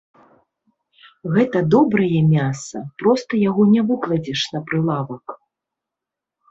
Гэта добрае мяса, проста яго не выкладзеш на прылавак.